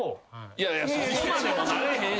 いやいやそこまでもなれへんし。